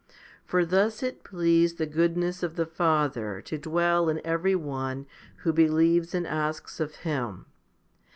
For thus it pleased the goodness of the Father to dwell in every one who believes and asks of Him.